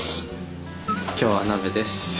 今日は鍋です。